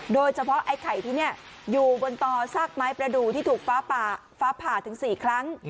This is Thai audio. โดยเฉพาะไอ้ไข่ที่นี่อยู่บนต่อซากไม้ประดูกที่ถูกฟ้าผ่าถึง๔ครั้ง